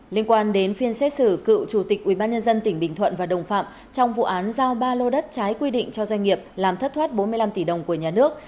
liên quan đến phiên xét xử cựu chủ tịch ubnd tỉnh bình thuận và đồng phạm trong vụ án giao ba lô đất trái quy định cho doanh nghiệp làm thất thoát bốn mươi năm tỷ đồng của nhà nước